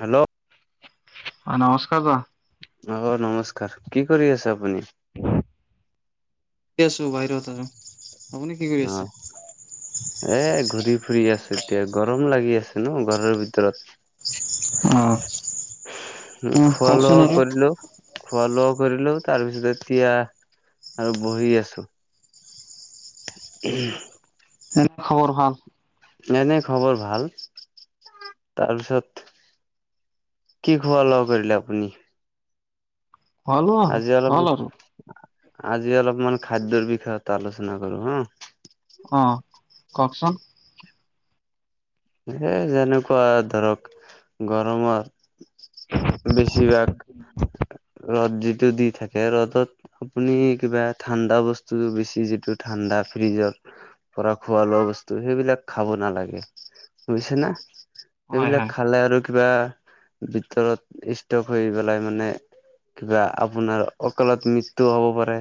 হেঁল্ল' অ' নমস্কাৰ দা। অ' নমস্কাৰ। কি কৰি আছে আপুনি? ঠিকে আছোঁ। [unintelligible] অহ। এ ঘূৰি ফুৰি আছো এতিয়া। গৰম লাগি আছে ন ঘৰৰ ভিতৰত। অ খোৱা কওকচোন লোৱাও আৰু কৰিলো। খোৱা লোৱাও কৰিলো তাৰ পিছত এতিয়া আৰু বহি আছো। [unintelligible] উম খবৰ ভাল। নাই নাই খবৰ ভাল। তাৰপিছত- কি খোৱা-লোৱা কৰিলে আপুনি? ভাল আজি অলপ, হ'ল আৰু আজি অলপমান খাদ্যৰ বিষয়ত আলোচনা কৰো হা। অ, কওঁকচোন‌? এ, যেনেকুৱা ধৰক, গৰমত বেছিভাগ, ৰ'দ যিটো দি থাকে ৰ'দত আপুনি কিবা ঠাণ্ডা বস্তু বেছি, যিটো ঠাণ্ডা ফ্ৰিজৰ পৰা খোৱা, লোৱা বস্তু, সেইবিলাক খাব নালাগে। বুজিছে না? অ হয় এইবিলাক হয় খালে আৰু কিবা, ভিতৰত ষ্টক হৈ পেলাই মানে কিবা, আপোনাৰ অকালত মৃত্যু হ'ব পাৰে।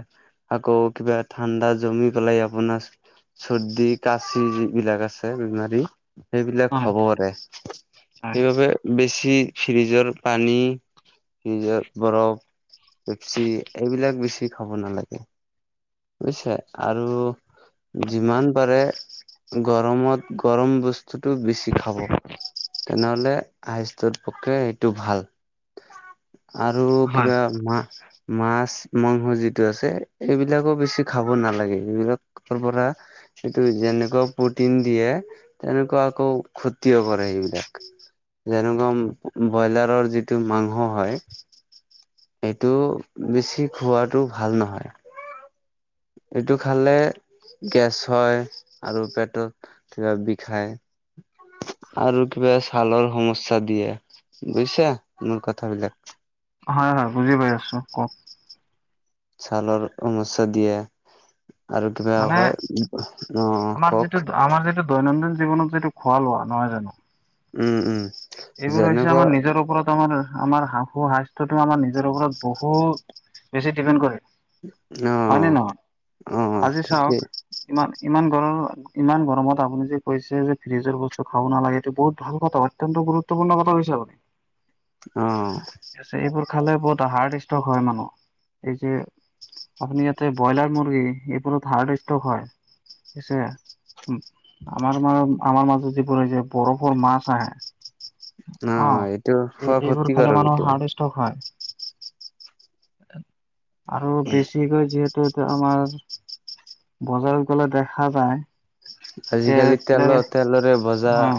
আকৌ, কিবা ঠাণ্ডা জমি পেলাই আপোনাৰ চৰ্দি, খাচি যিবিলাক আছে বেমাৰী। সেইবিলাক হয় হ'ব পাৰে। হয় সেইবাবে বেছি ফ্ৰিজৰ পানী, ফ্ৰিজত বৰফ পেপচি, এইবিলাক বেছি খাব নালাগে। বুজিছে। আৰু যিমান পাৰে, গৰমত গৰম বস্তুটো বেছি খাব। তেনেহলে আইছদত টোতকে এইটো ভাল। আৰু হয় কিবা মা-মাছ, মাংস যিটো আছে এইবিলাক এইবিলাকো বেছি খাব নালাগে, এইবিলাকৰ পৰা সেইটো যেনেকুৱা প্ৰটিন দিয়ে, তেনেকুৱা আকৌ ক্ষতিও কৰে সেইবিলাক। যেনেকুৱা ব্ৰইলাৰৰ যিটো মাংস হয় সেইটো বেছি খোৱাটো ভাল নহয়। এইটো খালে গেছ হয়, আৰু পেটত কিবা বিষায়। আৰু কিবা ছালৰ সমস্যা দিয়ে, বুজিছা মোৰ কথা বিলাক? হয়, হয়। বুজি পাই আছো, কওক। ছালৰ সমস্যা দিয়ে আৰু কিবা কয় মানে হয়, অ আমাৰ যিটো কওক আমাৰ যিটো দৈনন্দিন জীৱনত যিটো খোৱা-লোৱা, নহয় জানো? উম উম এইবোৰ হৈছে যেনেকুৱা আমাৰ, নিজৰ ওপৰত আমাৰ আমাৰ হাওঁ-ফাওঁ স্বাস্থ্যটো আমাৰ নিজৰ ওপৰত বহুত বেছি ডিপেণ্ড কৰে। অ। হয় নে নহয়? অ আজি চাওক ঠিকেই ইমান, ইমান গৰম ইমান গৰমত আপুনি যে কৈছে যে ফ্ৰিজৰ বস্তু খাব নালাগে, এইটো বহুত ভাল কথা কিন্তু গুৰুত্বপূৰ্ণ কথা কৈছে আপুনি। অ। এইবোৰ খালে বহুত হাৰ্ট ষ্ট্ৰক হয় মানুহ, এই যে আপুনি ইয়াতে ব্ৰইলাৰ মুৰ্গী, এইবোৰত হাৰ্ড ষ্টক হয়। পছে আমাৰ, আমাৰ মাজত যিবোৰ যে বৰফৰ মাছ আহে অ, এইটো খোৱা এইবোৰ খালে ক্ষতিকাৰক মানুহ এইটো হাৰ্ট ষ্টক হয়। আৰু বেছিকৈ যিহে তো আমাৰ বজাৰত গ'লে দেখা যায় তে আজিকালি তেলৰ তেলৰে ভজা হয়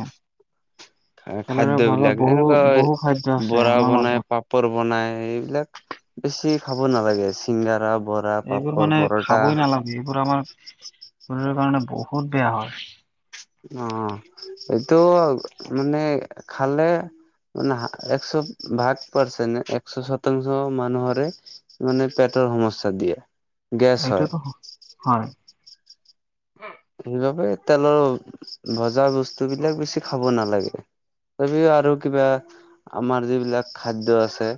কেলৰিৰ খাদ্য মাজত বিলাক, বহু এনেকুৱা বহু খাদ্য আছে বৰা আমাৰ বনাই, মাজত পাপ পৰ্বনাই এইবিলাক বেছি খাব নালাগে [unintelligible] শিংঙাৰা, বৰা, এইবোৰ পাপৰ, মানে পৰঠা, খাবই নালাগে এইবোৰ আমাৰ শৰীৰৰ কাৰণে বহুত বেয়া হয়। অ', এইটো মানে খালে মানে একশ ভাগ পাৰছে ন একশ শতাংশ মানুহৰে মানে পেটৰ সমস্যা দিয়ে। গেছ হয় এইটোয়তো হয়। সেইবাবে তেলৰ ভজা বস্তু বিলাক বেছি খাব নালাগে। তথাপিও আৰু কিবা আমাৰ যিবিলাক খাদ্য আছে।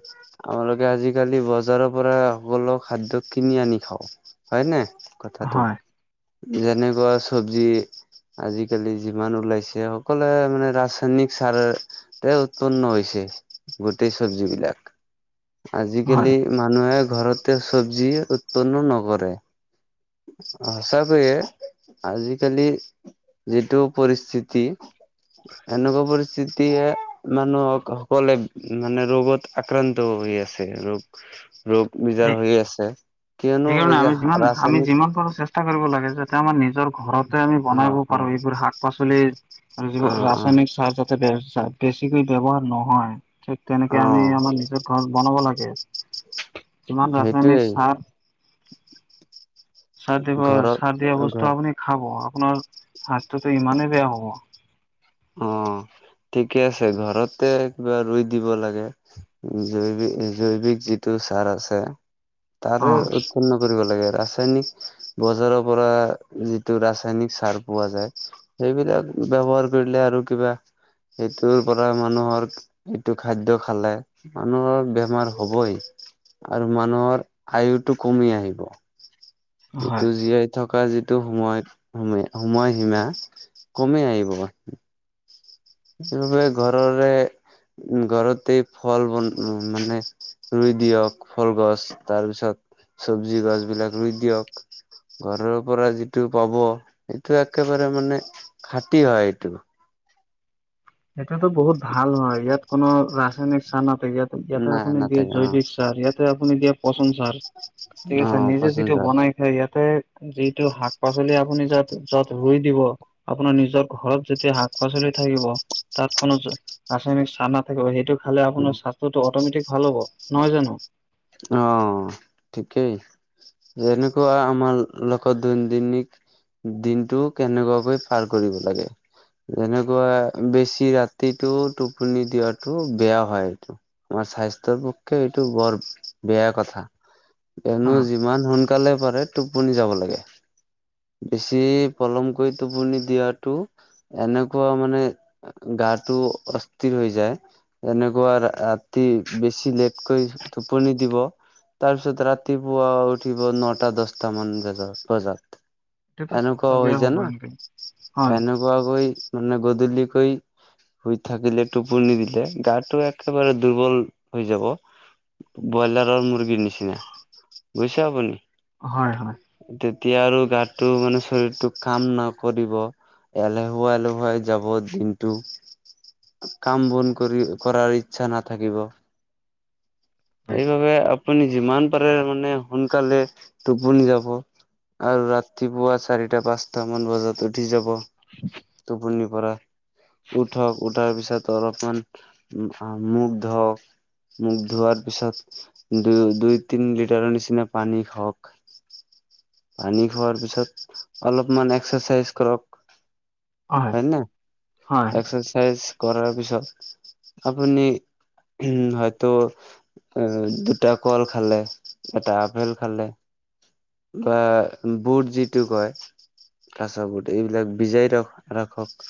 আমালোকে আজিকালি বজাৰৰ পৰা সকলো খাদ্য কিনি আনি খাও হয়নে? কথাটো হয় যেনেকুৱা চব্জি আজিকালি যিমান ওলাইছে, সকলোৱে মানে ৰাসায়নিক সাৰ তাই উৎপন্ন হৈছে। গোটেই চবজিবিলাক হয় আজিকালি মানুহে ঘৰতে চব্জি উৎপন্ন নকৰে। সঁচাকৈয়ে আজিকালি যিটো পৰিস্থিতি এনেকুৱা পৰিস্থিতিয়ে মানুহক সকলে মানে ৰোগত আক্ৰান্ত হৈ আছে। ৰোগ ৰোগ এই নিজাৰ হৈ আছে। কিয়নো যে ৰাসায়নিক ইমান বাৰো চেষ্টা কৰিব লাগে। যাতে আমাৰ নিজৰ ঘৰত আমি অ বনাব অ পাৰো। এইবোৰ শাক পাচলি আৰু অ যোৰ অ ৰাসায়নিক চাৰ যাতে ব, বেছিকৈ ব ব্যৱহাৰ নহয়। অ তেনেকে আমি আমাৰ নিজৰ ঘৰত বনাব লাগে। যিমান ৰাসায়নিক সেইটোৱেই চাহ চাৰ দিব ঘৰত চাৰ দিয়া ঘৰ বস্তু আপুনি খাব আপোনাৰ স্বাস্থয়টো ইমানেই বেয়া হ'ব। অ', ঠিকে আছে। ঘৰতে কিবা ৰুই দিব লাগে। জৈৱিক জৈৱিক যিটো ছাৰ আছে। অ তাৰে উৎপন্ন কৰিব লাগে। ৰাস্তা ৰাসায়নিক বজাৰৰ পৰা যিটো ৰাসায়নিক সাৰ পোৱা যায়। সেইবিলাক ব্যৱহাৰ কৰিলে আৰু কিবা সেইটোৰ পৰা মানুহৰ এইটো খাদ্য খালে মানুহৰ বেমাৰ হবই আৰু মানুহৰ আয়ুটো কমি আহিব হয় এইটো জীয়াই থকা যিটো সময়ত সম সময় সীমা কমেই আহিব। চবে ঘৰৰে উম', ঘৰতেই ফল বন মানে ৰুই দিয়ক। ফলগছ তাৰপিছত চব্জি গছ বিলাক ৰুই দিয়ক। ঘৰৰ পৰা যিটো পাব সেইটো একেবাৰে মানে খাট হয়। এইটো সেইটোতো বহুত ভাল হয়। ইয়াত কোনো ৰাসায়নিক চাহ নাথাক। ইয়াত ইয়াতে নাই আপুনি দিয় নাথাকে অ জৈৱিক চাৰ ইয়াত ইয়াটে আপুনি দিয়া পচন ছাৰ ঠিক অ আছে। নিজে পচন যিটো সাৰ বনাই সেই ইয়াতে যিটো শাক পাচলি আপুনি য যত ৰুই দিব। আপোনাৰ নিজৰ ঘৰত যেতিয়া শাক পাচলি থাকিব। তাত কোনো ৰাসায়নিক চাহ নাথাকিব। সেইটো খালে আপোনাৰ স্বাস্থ্যটো অট'মেটিক ভাল হ'ব, নহয় জানো? অ', ঠিকেই যেনেকুৱা আমাৰ লগত‌ দৈনন্দিনিক দিনটো কেনেকুৱাকৈ পাৰ কৰিব লাগে। যেনেকুৱা বেছি ৰাতিটো টোপনি দিয়াটো বেয়া হয় এইটো। আমাৰ স্বাস্থ্যৰ পক্ষে এইটো বৰ বেয়া কথা, অ কিয়নো যিমান সোন কালে পাৰে টোপনি যাব লাগে। বেছি পলমকৈ টোপনি দিয়টো এনেকুৱা মানে গাটো অস্থিৰ হৈ যায়। এনেকুৱা ৰাতি বেছি লেটকৈ টোপনি দিব। তাৰপিছত ৰাতিপুৱা উঠিব নটা দহটা মান বজাত বজাত। এইটোতো স্বাস্থ্য এনেকুৱা হৈ বেয়া হ'ব জানা, এনেকে হয় এনেকুৱাকৈ মানে গধূলিকৈ শুই থাকিলে টোপনি দিলে গাটো একেবাৰে দুৰ্বল হৈ যাব। ব্ৰইলাৰৰ মুৰ্গীৰ নিচিনা, বুজিছে আপুনি? হয়, হয়। তেতিয়া আৰু গাটো মানে শৰীৰটোক কাম নকৰিব। এলেহুৱা এলেহুৱাই যাব দিনটো কাম-বন কৰি কৰাৰ ইচ্ছা নাথাকিব। হয় এইবাবে আপুনি যিমান পাৰে মানে সোনকালে টোপনি যাব। আৰু ৰাতিপুৱা চাৰিটা পাঁচটা মান বজাত উঠি যাব। টোপনি পৰা। উঠক, উঠাৰ পিছত অলপমান মুখ ধুওক। মুখ ধোৱাৰ পিছত দু-দুই তিনি লিটাৰৰ নিচিনা পানী খাৱক। পানি খোৱাৰ পিছত অলপমান এক্সাৰচাইজ কৰক। হয় ন' হয় এক্সাৰ ৰচাইজ কৰাৰ পিছত আপুনি উ, হয়তো উ, দুটা কল খালে, এটা আপেল খালে। বা বুট যিটো কয়। কাছবোট এইবিলাক বিজাই ৰ-ৰাখক।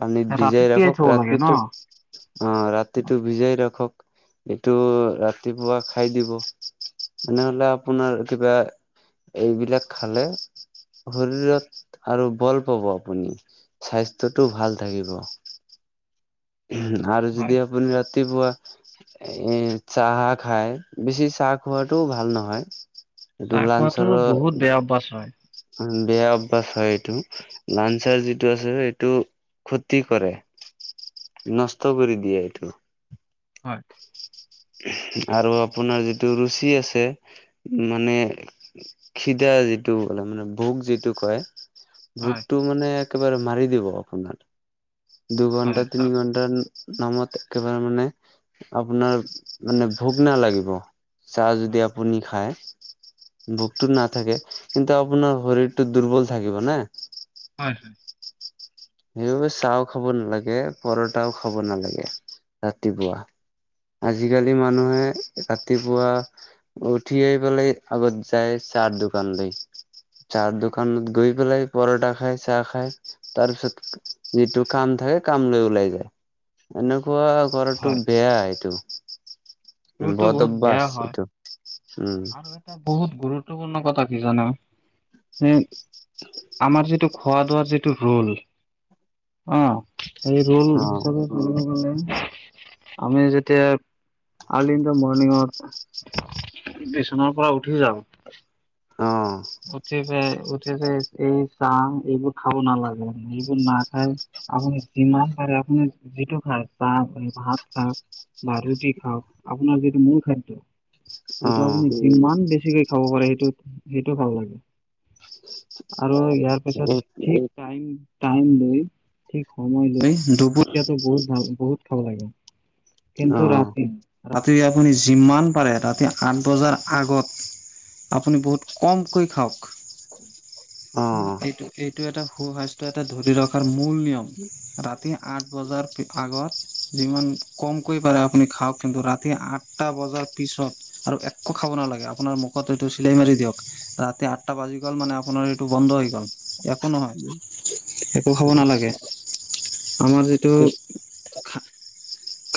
পানীত ৰাতি ভিজাই তিয়াই ৰাখক থব লাগে ন ৰাতিটো। অ', ৰাতিটো ভিজাই ৰাখক, এইটো ৰাতিপুৱা খাই দিব। এনেহলে আপোনাৰ কিবা এইবিলাক খালে। শৰীৰত আৰু বল পাব আপুনি, স্বাস্থ্যত টো ভাল থাকিব আৰু হয় যদি আপুনি ৰাতিপুৱা এ চাহ খাই, বেছি চাহ খোৱাতটো ভাল নহয়। এইটো চাহ খোৱাতো লাঞ্চৰ [unintelligible] হয়। বেয়া অভ্যাস হয় এইটো, লাঞ্চাৰ যিটো আছে সেইটো ক্ষতি কৰে, নষ্ট কৰি দিয়ে এইটো। হয়। আৰু আপোনাৰ যিটো ৰুচি আছে মানে খিদা যিটো মানে ভোক যিটো কয়। হয় ভোকটো মানে একেবাৰে মাৰি দিব আপোনাৰ। হয় দুঘণ্টা আৰু তিনি ঘণ্টাৰ নামত একেবাৰে মানে আপোনাৰ মানে ভোগ নালাগিব চাহ যদি হয় আপুনি খায়। ভোকতটো নাথাকে কিন্তু, আপোনাৰ শৰীৰটো দুৰ্বল থাকিব না! হয়। সেইবোৰ চাহো খাব নালাগে, পৰঠাও খাব নালাগে ৰাতিপুৱা। আজিকালি মানুহে ৰাতিপুৱা উঠি আহি পেলাই আগত যায় চা দোকানলে? যা দোকানত গৈ পেলাই পৰঠা খায় চাহ খাই তাৰপিছত, যিটো কাম থাকে কাম লৈ ওলাই যায়, এনেকুৱা কৰাটো হয় বেয়া এইটো এইবোৰতো বদ বহুত বেয়া অভ্যাস হয় এইটো। উম। বহুত গুৰুত্বপূৰ্ণ কথা কি জানা? সেই আমাৰ যিটো খোৱা দোৱাৰ যিটো ৰোল অ সেই ৰোল অ', হিচাপে আমি যেতিয়া আৰ্লি ইনদা মৰ্ণিঙত বিচনাৰ পৰা উঠি যাওঁ, অ একেবাৰে উঠিযাই এই চাহ এইবোৰ খাব নালাগে, এইবোৰ নাখাই আপুনি যিমান পাৰে আপুনি যিটো খায় চাহ ভাত খায়? বা ৰুটি খাওক আপোনাৰ যিটো মূল খাদ্য, সেইটো অ', আপুনি কিমান বেছিকে খাব পাৰে, সেইটো সেইটো খাব লাগে। আৰু ইয়াৰ পিছত এই টাইম টাইম লৈ ঠিক সময় লৈ দুপৰীয়াটো বহুত ভাল, বহুত খাব লাগে, কিন্তু অ', ৰাতি ৰাতি আপুনি যিমান পাৰে ৰাতি আঠ বজাৰ আগত আপুনি বহুত কমকৈ খাওক অ', এইটো এইটো এটা সু-স্বাস্থ্যৰ এটা ধৰি লওক মূল নিয়ম ৰাতি আঠ বজাৰ ঠিক আগত যিমান কমকৈ পাৰে আপুনি খাওক কিন্তু ৰাতি আঠটা বজাৰ পিছত আৰু একো খাব নালাগে, আপোনাৰ মুখত এইটো চিলাই মাৰি দিয়ক। ৰাতি আঠটা বাজি গ'ল মানে আপোনাৰ এইটো বন্ধ হৈ গ'ল, একো নহয়, একো খাব নালাগে, আমাৰ যিটো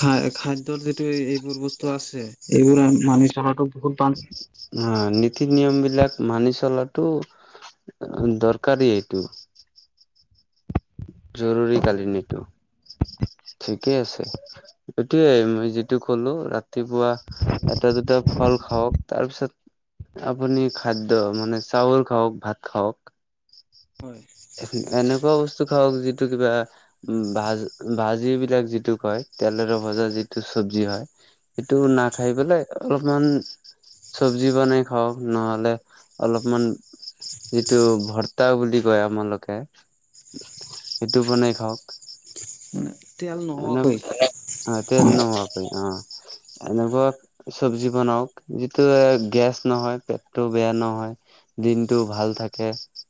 খায় খাদ্যৰ যিটো এইবোৰ বস্তু আছে এইবোৰ মানি চলাটো বহুত ভাল। অ নীতি নিয়ম বিলাক মানি চলাটো দৰকাৰী এইটো। জৰুৰী কালীন এইটো ঠিকেই আছে। এইটোৱেই মই যিটো কলো ৰাতিপুৱা, এটা দুটা ফল খাওক, তাৰপিছত আপুনি খাদ্য মানে চাউল খাওক ভাত খাওক। হয়। এনেকুৱা বস্তু খাওক যিটো কিবা উ ভাজ ভাজি বিলাক যিটো কয় তেলেৰে ভজা যিটো চবজি হয়, সেটো নাখাই পেলাই অলপমান চব্জি বনাই খাওক, নহলে অলপমান যিটো ভৰ্তা বুলি কয় আমালোকে সেইটো বনাই খাওক। মানে তেল নোহোৱাকৈ অ তেল হয় নোহোৱাকৈ অ এনেকুৱা চব্জি বনাওক যিটোৱে গেছ নহয় পেটটো বেয়া নহয়। দিনটো ভাল থাকে,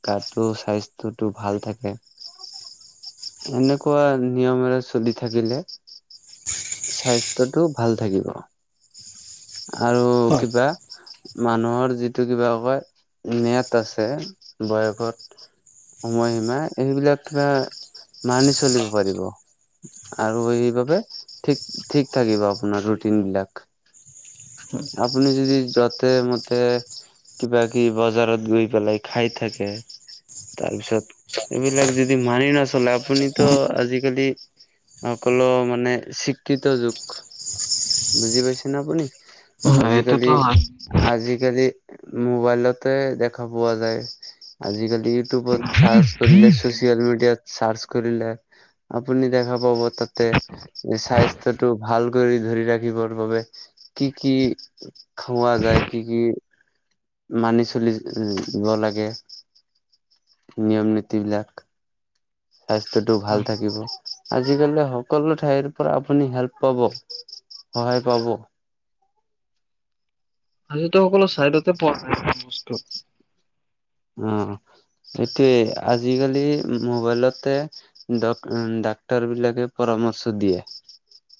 গাটো স্বাস্থ্যটো ভাল থাকে। এনেকুৱা নিয়মেৰে চলি থাকিলে স্বাস্থ্যটো ভাল থাকিব। আৰু হয় কিবা মানুহৰ যিটো কিবা কয় ম্যাদ আছে বয়সত সময়সীমা এইবিলাক কিবা মানি চলিব পাৰিব। আৰু সেইবাবে ঠিক ঠিক থাকিব আপোনাৰ ৰুটিন বিলাক। আপুনি যদি য'তে মতে কিবা কিবি বজাৰত গৈ পেলাই খাই থাকে। তাৰপিছত এইবিলাক যদি মানি নচলে আপুনিতো আজিকালি সকলো মানে শিক্ষিত যুগ বুজি পাইছে ন আপুনি। হয় এইটোতো আজিকালি হয় আজিকালি মোবাইলতে দেখা পোৱা যায়। আজিকালি ইউটিউবত চাৰ্চ কৰিলে, চচিয়েল মিডিয়াত চাৰ্চ কৰিলে আপুনি দেখা দেখা পাব তাতে স্বাস্থ্যটো ভাল কৰি ধৰি ৰাখিবৰ বাবে কি কি খোৱা যায়, কি কি মানি চলিব লাগে নিয়ম নীতি বিলাক। স্বাস্থ্যটো ভাল থাকিব। আজিকালি সকলো ঠাইৰ পৰা আপুনি হেল্প পাব। সহায় পাব। [unintelligible] টো সকলো ছাইডতে পোৱা যায়। বস্তু। অ' সিটোয়ে আজিকালি মোবাইলতে ডত ডাক্তৰ বিলাকে পৰামৰ্শ দিয়ে।